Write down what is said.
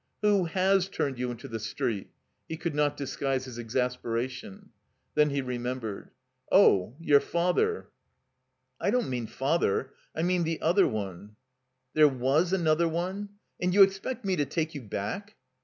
*'Who has turned you into the street?" He could not disguise his exasperation. Then he remembered. *'0h — ^your father." "I don't mean Father. I mean the other one." * 'There was another one? And you expect me to take you back?"